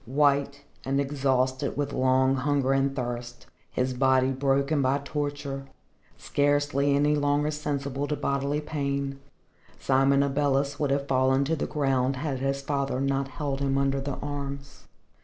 White and exhausted with long hunger and thirst, his body broken by torture, scarcely any longer sensible to bodily pain, Simon Abeles would have fallen to the ground had his father not held him under the arms.